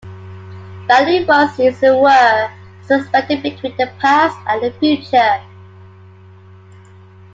Value was, as it were, suspended between the past and the future.